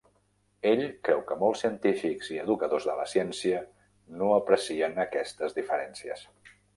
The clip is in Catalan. Ell creu que molts científics i educadors de la ciència no aprecien aquestes diferències.